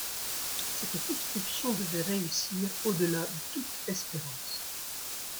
Cette souscription devait réussir au-delà de toute espérance.